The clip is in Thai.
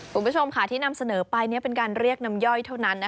คุณผู้ชมค่ะที่นำเสนอไปเป็นการเรียกน้ำย่อยเท่านั้น